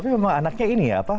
tapi memang anaknya ini ya